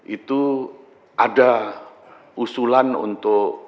itu ada usulan untuk